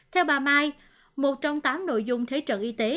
theo bà mai một trong tám nội dung thế trận y tế